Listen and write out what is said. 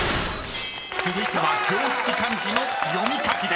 ［続いては常識漢字の読み書きです］